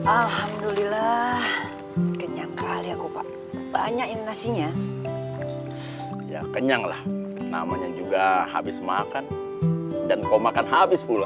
alhamdulillah kenyang kali aku pak banyak ini nasinya ya kenyang lah namanya juga habis makan dan kau makan habis pula